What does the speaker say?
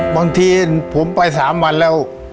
บางทีผมไป๓วันแล้ว